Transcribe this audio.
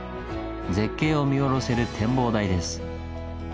絶景を見下ろせる展望台です。